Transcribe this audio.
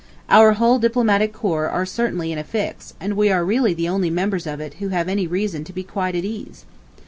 ... Our whole Diplomatic Corps are certainly "in a fix," and we are really the only members of it who have any reason to be quite at ease.